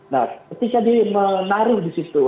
nah ketika dia menarik disitu